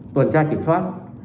tuần tra kiểm soát